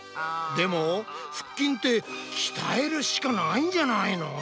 でも腹筋って鍛えるしかないんじゃないの？